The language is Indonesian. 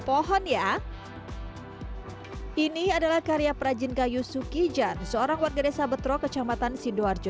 pohon ya ini adalah karya prajin kayu suki jan seorang warga desa betro kecamatan sidoarjo